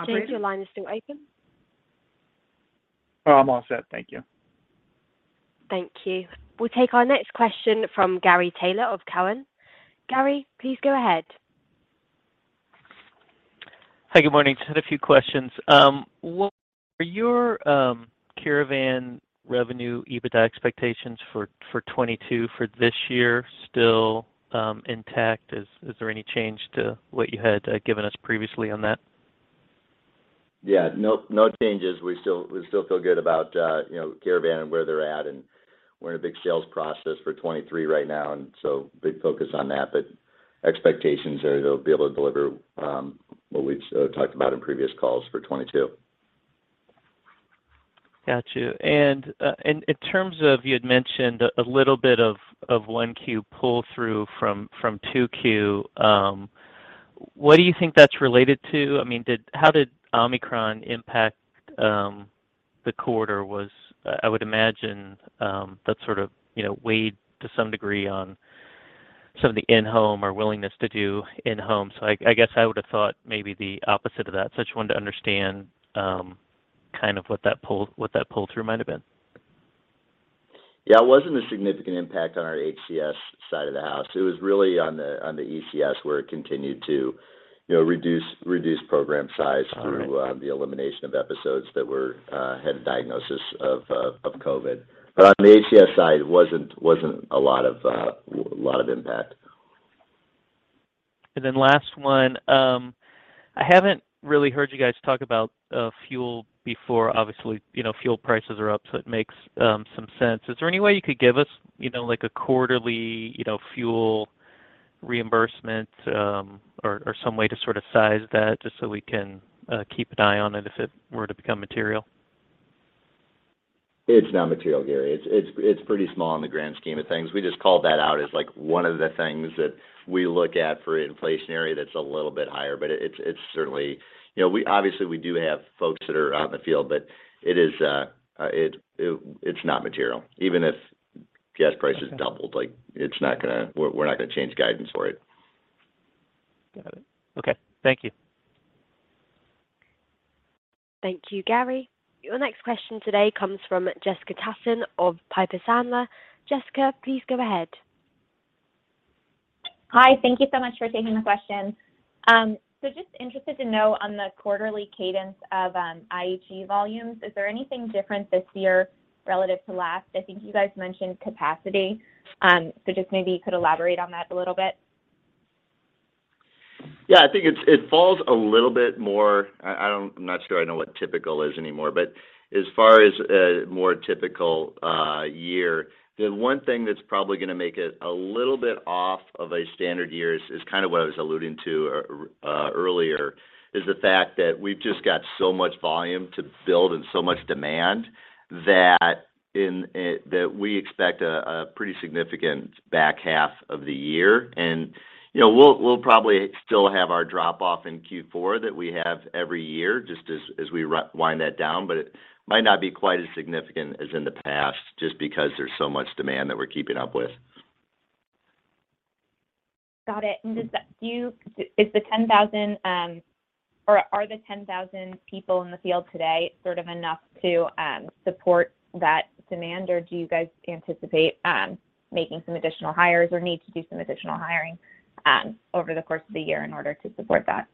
A: James, your line is still open.
I: Oh, I'm all set. Thank you.
A: Thank you. We'll take our next question from Gary Taylor of Cowen. Gary, please go ahead.
J: Hi. Good morning. Just had a few questions. What are your Caravan revenue EBITDA expectations for 2022, for this year still intact? Is there any change to what you had given us previously on that?
B: Yeah. No changes. We still feel good about, you know, Caravan and where they're at, and we're in a big sales process for 2023 right now, and so big focus on that. But expectations are they'll be able to deliver what we've talked about in previous calls for 2022.
J: Got you. In terms of, you had mentioned a little bit of 1Q pull-through from 2Q, what do you think that's related to? I mean, how did Omicron impact the quarter? I would imagine that sort of, you know, weighed to some degree on some of the in-home or willingness to do in-home. I guess I would have thought maybe the opposite of that, just wanted to understand kind of what that pull-through might have been.
B: Yeah. It wasn't a significant impact on our HCS side of the house. It was really on the ECS where it continued to, you know, reduce program size through the elimination of episodes that had a diagnosis of COVID. On the HCS side, it wasn't a lot of impact.
J: Last one. I haven't really heard you guys talk about fuel before. Obviously, you know, fuel prices are up, so it makes some sense. Is there any way you could give us, you know, like, a quarterly fuel reimbursement, or some way to sort of size that just so we can keep an eye on it if it were to become material?
B: It's not material, Gary. It's pretty small in the grand scheme of things. We just called that out as, like, one of the things that we look at for inflationary that's a little bit higher. It's certainly, you know, obviously, we do have folks that are out in the field, but it is not material. Even if gas prices doubled, like, it's not gonna. We're not gonna change guidance for it.
J: Got it. Okay, thank you.
A: Thank you, Gary. Your next question today comes from Jessica Tassan of Piper Sandler. Jessica, please go ahead.
K: Hi. Thank you so much for taking the question. Just interested to know on the quarterly cadence of IHE volumes, is there anything different this year relative to last? I think you guys mentioned capacity. Just maybe you could elaborate on that a little bit.
B: Yeah. I think it falls a little bit more. I'm not sure I know what typical is anymore, but as far as a more typical year, the one thing that's probably gonna make it a little bit off of a standard year is kind of what I was alluding to earlier, is the fact that we've just got so much volume to build and so much demand that in that we expect a pretty significant back half of the year. You know we'll probably still have our drop-off in Q4 that we have every year just as we wind that down, but it might not be quite as significant as in the past just because there's so much demand that we're keeping up with.
K: Got it. Is the 10,000 or are the 10,000 people in the field today sort of enough to support that demand, or do you guys anticipate making some additional hires or need to do some additional hiring over the course of the year in order to support that?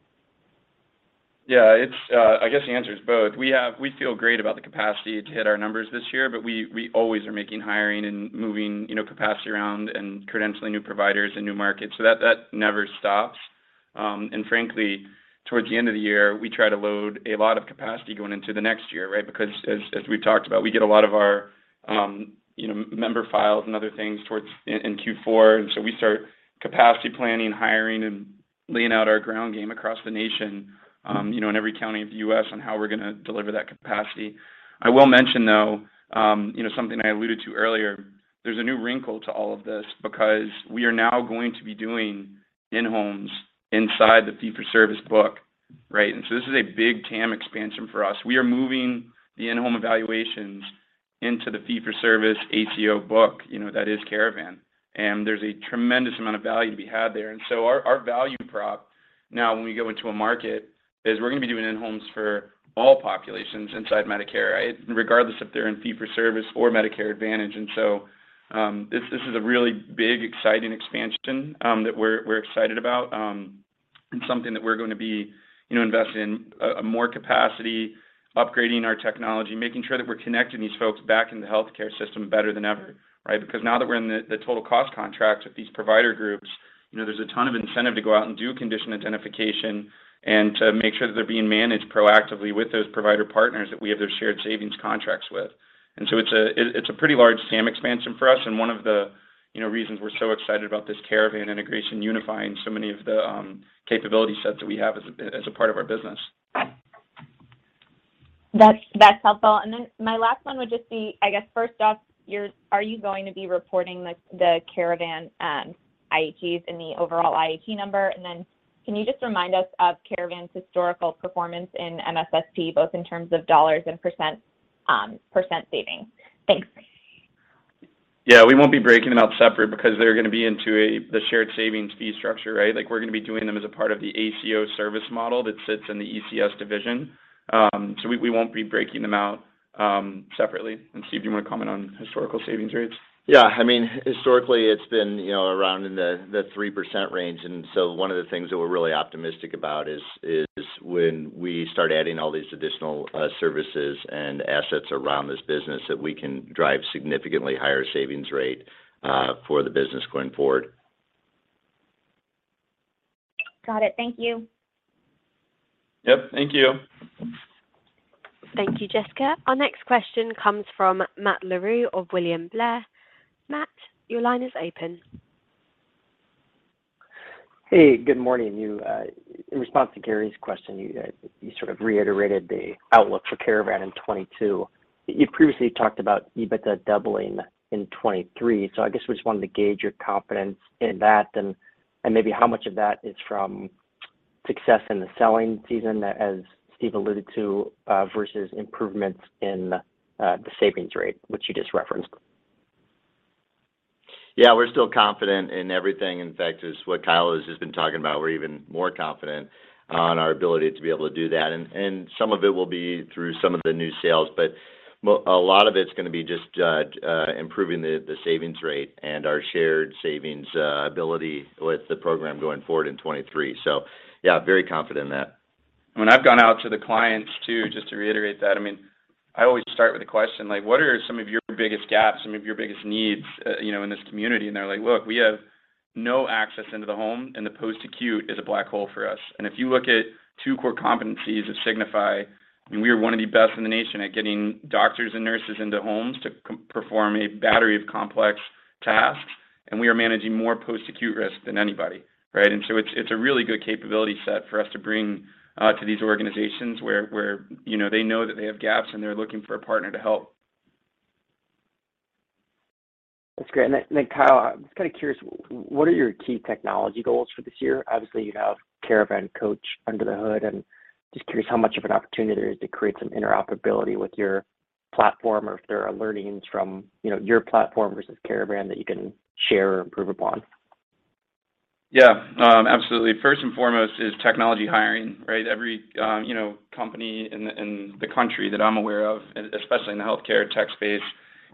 D: Yeah. It's I guess the answer is both. We feel great about the capacity to hit our numbers this year, but we always are making hiring and moving, you know, capacity around and credentialing new providers in new markets. So that never stops. And frankly, towards the end of the year, we try to load a lot of capacity going into the next year, right? Because as we've talked about, we get a lot of our, you know, member files and other things in Q4. We start capacity planning, hiring, and laying out our ground game across the nation, you know, in every county of the U.S. on how we're gonna deliver that capacity. I will mention, though, you know, something I alluded to earlier, there's a new wrinkle to all of this because we are now going to be doing in-homes inside the fee-for-service book, right? This is a big TAM expansion for us. We are moving the in-home evaluations into the fee-for-service ACO book, you know, that is Caravan, and there's a tremendous amount of value to be had there. Our value prop now when we go into a market is we're gonna be doing in-homes for all populations inside Medicare, right? Regardless if they're in fee-for-service or Medicare Advantage. This is a really big, exciting expansion that we're excited about, and something that we're gonna be, you know, investing in more capacity, upgrading our technology, making sure that we're connecting these folks back in the healthcare system better than ever, right? Because now that we're in the total cost contract with these provider groups, you know, there's a ton of incentive to go out and do condition identification and to make sure that they're being managed proactively with those provider partners that we have those shared savings contracts with. It's a pretty large TAM expansion for us and one of the, you know, reasons we're so excited about this Caravan integration unifying so many of the capability sets that we have as a part of our business.
K: That's helpful. My last one would just be, I guess, first off, are you going to be reporting the Caravan IHEs in the overall IHE number? Can you just remind us of Caravan's historical performance in MSSP, both in terms of dollars and percent savings? Thanks.
D: Yeah. We won't be breaking them out separate because they're gonna be into the shared savings fee structure, right? Like, we're gonna be doing them as a part of the ACO service model that sits in the ECS division. So we won't be breaking them out separately. Steve, do you wanna comment on historical savings rates?
B: Yeah. I mean, historically, it's been, you know, around in the 3% range. One of the things that we're really optimistic about is when we start adding all these additional services and assets around this business, that we can drive significantly higher savings rate for the business going forward.
K: Got it. Thank you.
D: Yep. Thank you.
A: Thank you, Jessica. Our next question comes from Matt Larew of William Blair. Matt, your line is open.
L: Hey, good morning. You in response to Gary's question, you sort of reiterated the outlook for Caravan in 2022. You previously talked about EBITDA doubling in 2023. I guess we just wanted to gauge your confidence in that and maybe how much of that is from success in the selling season as Steve alluded to versus improvements in the savings rate, which you just referenced.
B: Yeah. We're still confident in everything. In fact, as what Kyle has been talking about, we're even more confident on our ability to be able to do that. And some of it will be through some of the new sales. ButWell, a lot of it's gonna be just improving the savings rate and our shared savings ability with the program going forward in 2023. Yeah, very confident in that.
D: When I've gone out to the clients too, just to reiterate that, I mean, I always start with a question like, "What are some of your biggest gaps, some of your biggest needs, you know, in this community?" They're like, "Look, we have no access into the home, and the post-acute is a black hole for us." If you look at two core competencies of Signify, we are one of the best in the nation at getting doctors and nurses into homes to perform a battery of complex tasks, and we are managing more post-acute risk than anybody, right? It's a really good capability set for us to bring to these organizations where, you know, they know that they have gaps and they're looking for a partner to help.
L: That's great. Kyle, I'm just kind of curious, what are your key technology goals for this year? Obviously, you have Caravan Coach under the hood, and just curious how much of an opportunity there is to create some interoperability with your platform or if there are learnings from, you know, your platform versus Caravan that you can share or improve upon.
D: Yeah. Absolutely. First and foremost is technology hiring, right? Every, you know, company in the country that I'm aware of, especially in the healthcare tech space,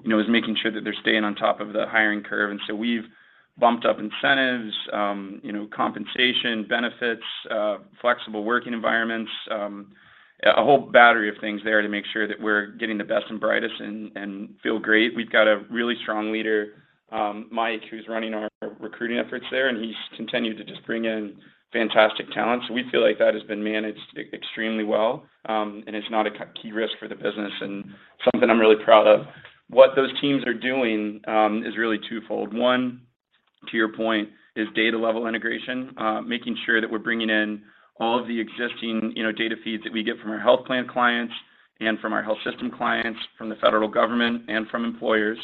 D: you know, is making sure that they're staying on top of the hiring curve. We've bumped up incentives, you know, compensation, benefits, flexible working environments, a whole battery of things there to make sure that we're getting the best and brightest and feel great. We've got a really strong leader, Mike, who's running our recruiting efforts there, and he's continued to just bring in fantastic talent. We feel like that has been managed extremely well, and is not a key risk for the business and something I'm really proud of. What those teams are doing is really twofold. One, to your point, is data level integration, making sure that we're bringing in all of the existing, you know, data feeds that we get from our health plan clients and from our health system clients, from the federal government and from employers,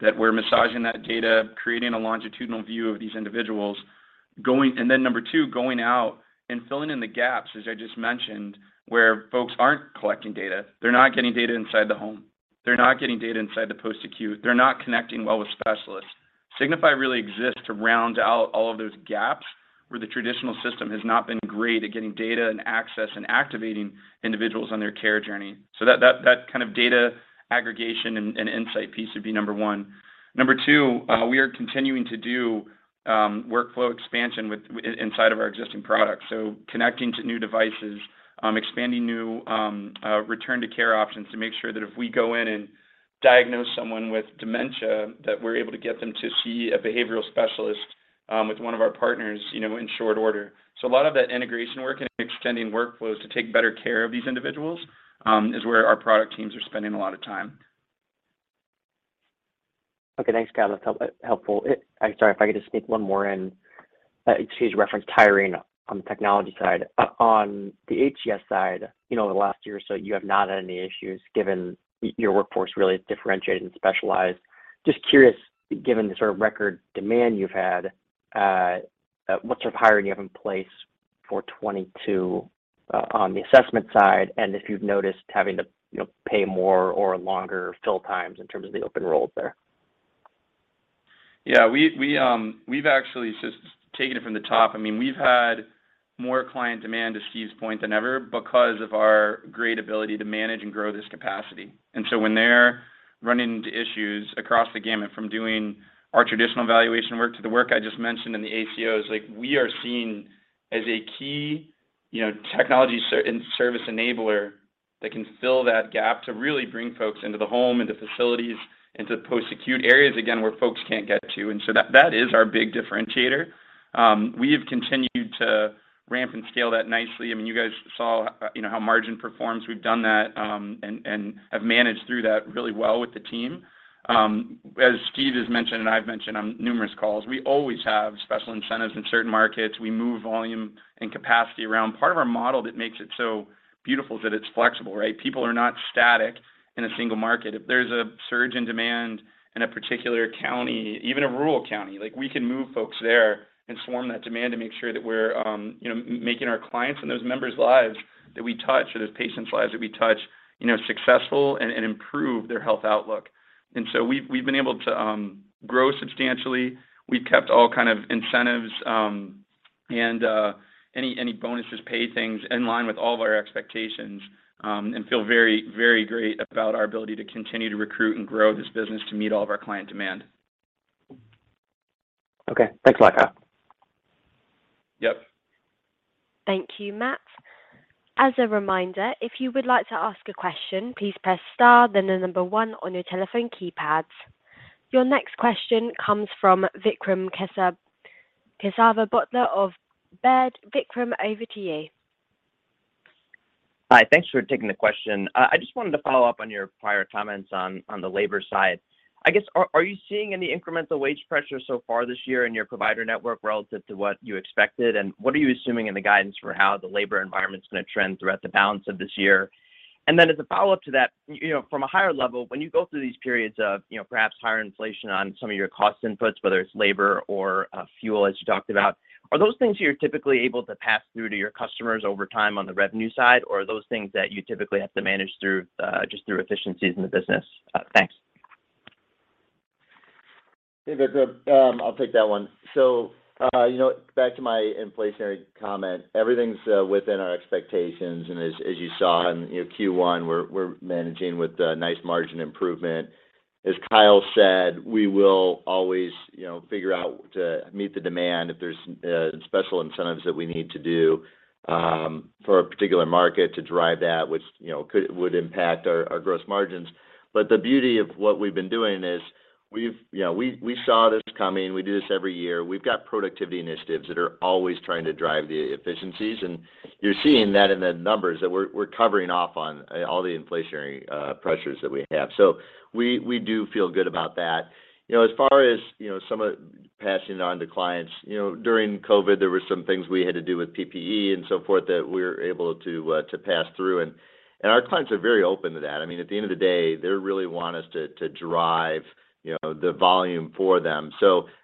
D: that we're massaging that data, creating a longitudinal view of these individuals. Number two, going out and filling in the gaps, as I just mentioned, where folks aren't collecting data. They're not getting data inside the home. They're not getting data inside the post-acute. They're not connecting well with specialists. Signify really exists to round out all of those gaps where the traditional system has not been great at getting data and access and activating individuals on their care journey. So that kind of data aggregation and insight piece would be number one. Number two, we are continuing to do workflow expansion inside of our existing products. Connecting to new devices, expanding new return to care options to make sure that if we go in and diagnose someone with dementia, that we're able to get them to see a behavioral specialist with one of our partners, you know, in short order. A lot of that integration work and extending workflows to take better care of these individuals is where our product teams are spending a lot of time.
L: Okay. Thanks, Kyle. That's helpful. Sorry, if I could just sneak one more in. Steve's referenced hiring on the technology side. On the HCS side, you know, over the last year or so, you have not had any issues given your workforce really is differentiated and specialized. Just curious, given the sort of record demand you've had, what sort of hiring do you have in place for 2022, on the assessment side, and if you've noticed having to, you know, pay more or longer fill times in terms of the open roles there?
D: We've actually just taking it from the top. I mean, we've had more client demand, to Steve's point, than ever because of our great ability to manage and grow this capacity. When they're running into issues across the gamut from doing our traditional evaluation work to the work I just mentioned in the ACOs, like we are seen as a key, you know, technology and service enabler that can fill that gap to really bring folks into the home, into facilities, into post-acute areas, again, where folks can't get to. That is our big differentiator. We have continued to ramp and scale that nicely. I mean, you guys saw, you know, how margin performs. We've done that and have managed through that really well with the team. As Steve has mentioned and I've mentioned on numerous calls, we always have special incentives in certain markets. We move volume and capacity around. Part of our model that makes it so beautiful is that it's flexible, right? People are not static in a single market. If there's a surge in demand in a particular county, even a rural county, like, we can move folks there and swarm that demand to make sure that we're, you know, making our clients and those members' lives that we touch or those patients' lives that we touch, you know, successful and improve their health outlook. We've been able to grow substantially. We've kept all kind of incentives and any bonuses pay things in line with all of our expectations and feel very, very great about our ability to continue to recruit and grow this business to meet all of our client demand.
L: Okay. Thanks a lot, Kyle.
D: Yep.
A: Thank you, Matt. As a reminder, if you would like to ask a question, please press star then the number one on your telephone keypads. Your next question comes from Vikram Kesavabhotla of Baird. Vikram, over to you.
M: Hi. Thanks for taking the question. I just wanted to follow up on your prior comments on the labor side. I guess, are you seeing any incremental wage pressure so far this year in your provider network relative to what you expected, and what are you assuming in the guidance for how the labor environment's gonna trend throughout the balance of this year? Then as a follow-up to that, you know, from a higher level, when you go through these periods of, you know, perhaps higher inflation on some of your cost inputs, whether it's labor or fuel as you talked about, are those things you're typically able to pass through to your customers over time on the revenue side, or are those things that you typically have to manage through just through efficiencies in the business? Thanks.
D: Hey, Victor. I'll take that one. You know, back to my inflationary comment, everything's within our expectations and as you saw in, you know, Q1, we're managing with a nice margin improvement. As Kyle said, we will always, you know, figure out to meet the demand if there's special incentives that we need to do for a particular market to drive that, which, you know, would impact our gross margins. The beauty of what we've been doing is we've, you know, we saw this coming. We do this every year. We've got productivity initiatives that are always trying to drive the efficiencies, and you're seeing that in the numbers that we're covering off on all the inflationary pressures that we have. We do feel good about that. You know, as far as, you know, some of passing it on to clients, you know, during COVID, there were some things we had to do with PPE and so forth that we're able to pass through and our clients are very open to that. I mean, at the end of the day, they really want us to drive, you know, the volume for them.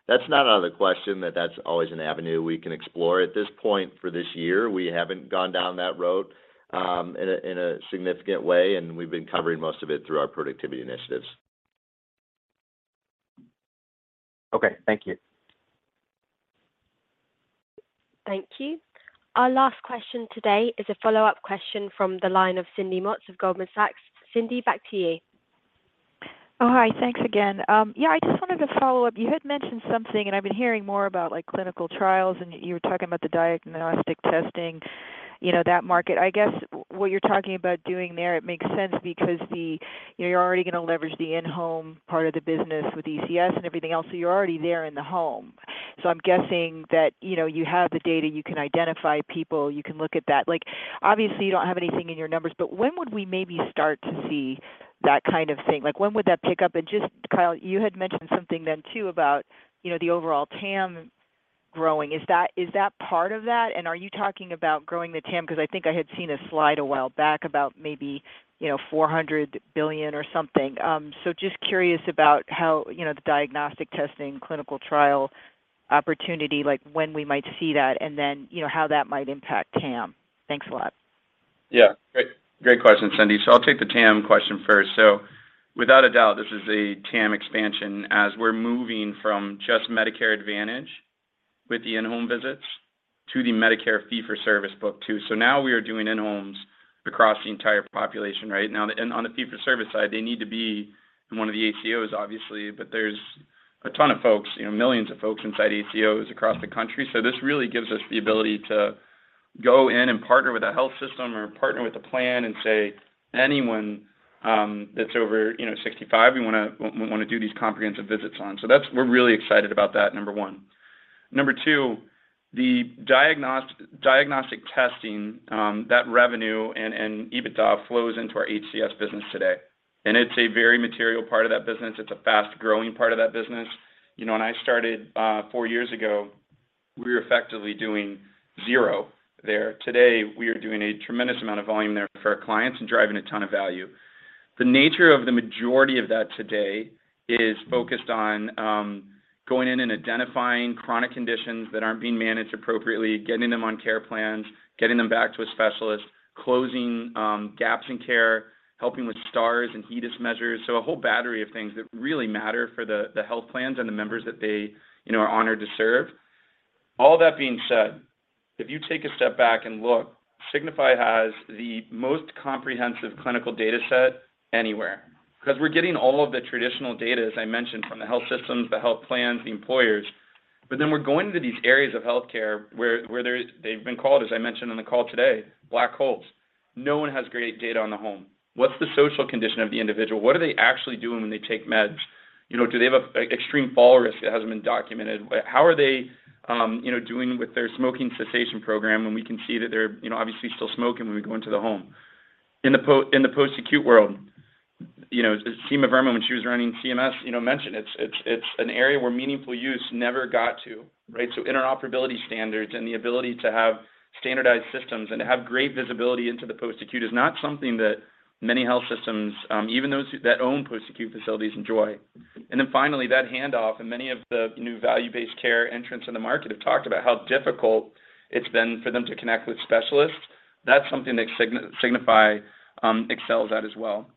D: That's not out of the question that that's always an avenue we can explore. At this point for this year, we haven't gone down that road in a significant way, and we've been covering most of it through our productivity initiatives.
M: Okay. Thank you.
A: Thank you. Our last question today is a follow-up question from the line of Cindy Motz of Goldman Sachs. Cindy, back to you.
G: Oh, hi. Thanks again. Yeah, I just wanted to follow up. You had mentioned something, and I've been hearing more about like clinical trials, and you were talking about the diagnostic testing, you know, that market. I guess what you're talking about doing there, it makes sense because the, you know, you're already gonna leverage the in-home part of the business with ECS and everything else, so you're already there in the home. So I'm guessing that, you know, you have the data, you can identify people, you can look at that. Like, obviously you don't have anything in your numbers, but when would we maybe start to see that kind of thing? Like, when would that pick up? And just, Kyle, you had mentioned something then too about, you know, the overall TAM growing. Is that, is that part of that? Are you talking about growing the TAM? 'Cause I think I had seen a slide a while back about maybe, you know, $400 billion or something. So just curious about how, you know, the diagnostic testing, clinical trial opportunity, like when we might see that and then, you know, how that might impact TAM. Thanks a lot.
D: Yeah. Great question, Cindy. I'll take the TAM question first. Without a doubt, this is a TAM expansion as we're moving from just Medicare Advantage with the in-home visits to the Medicare fee-for-service book too. Now we are doing in-homes across the entire population right now. On the fee-for-service side, they need to be in one of the ACOs obviously, but there's a ton of folks, you know, millions of folks inside ACOs across the country. This really gives us the ability to go in and partner with a health system or partner with a plan and say anyone that's over, you know, 65, we wanna do these comprehensive visits on. That's. We're really excited about that, number one. Number two, the diagnostic testing, that revenue and EBITDA flows into our HCS business today, and it's a very material part of that business. It's a fast-growing part of that business. You know, when I started four years ago, we were effectively doing zero there. Today, we are doing a tremendous amount of volume there for our clients and driving a ton of value. The nature of the majority of that today is focused on going in and identifying chronic conditions that aren't being managed appropriately, getting them on care plans, getting them back to a specialist, closing gaps in care, helping with Stars and HEDIS measures. So a whole battery of things that really matter for the health plans and the members that they, you know, are honored to serve. All that being said, if you take a step back and look, Signify has the most comprehensive clinical data set anywhere. 'Cause we're getting all of the traditional data, as I mentioned, from the health systems, the health plans, the employers, but then we're going to these areas of healthcare where there's. They've been called, as I mentioned on the call today, black holes. No one has great data on the home. What's the social condition of the individual? What are they actually doing when they take meds? You know, do they have a, like extreme fall risk that hasn't been documented? How are they, you know, doing with their smoking cessation program when we can see that they're, you know, obviously still smoking when we go into the home? In the post-acute world, you know, Seema Verma when she was running CMS, you know, mentioned it's an area where Meaningful Use never got to, right? Interoperability standards and the ability to have standardized systems and to have great visibility into the post-acute is not something that many health systems, even those that own post-acute facilities enjoy. Then finally, that handoff and many of the new value-based care entrants in the market have talked about how difficult it's been for them to connect with specialists. That's something that Signify excels at as well.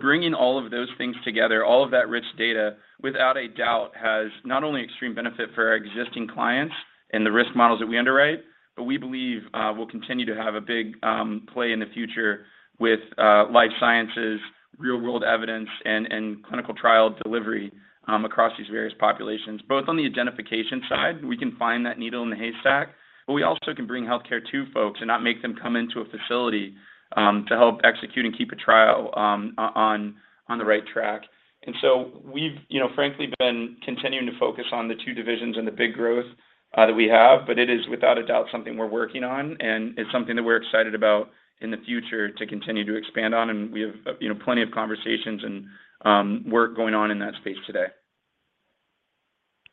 D: Bringing all of those things together, all of that rich data without a doubt has not only extreme benefit for our existing clients and the risk models that we underwrite, but we believe will continue to have a big play in the future with life sciences, real-world evidence and clinical trial delivery across these various populations, both on the identification side, we can find that needle in the haystack, but we also can bring healthcare to folks and not make them come into a facility to help execute and keep a trial on the right track. We've, you know, frankly been continuing to focus on the two divisions and the big growth that we have, but it is without a doubt something we're working on, and it's something that we're excited about in the future to continue to expand on. We have, you know, plenty of conversations and work going on in that space today.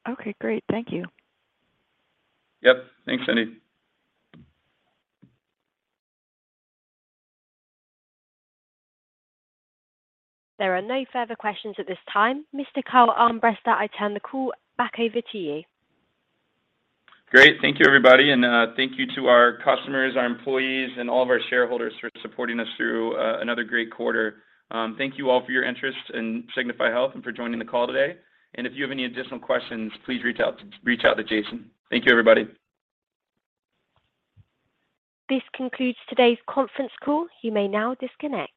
G: Okay, great. Thank you.
D: Yep. Thanks, Cindy.
A: There are no further questions at this time. Mr. Kyle Armbrester, I turn the call back over to you.
D: Great. Thank you, everybody, and thank you to our customers, our employees, and all of our shareholders for supporting us through another great quarter. Thank you all for your interest in Signify Health and for joining the call today. If you have any additional questions, please reach out to Jason. Thank you, everybody.
A: This concludes today's conference call. You may now disconnect.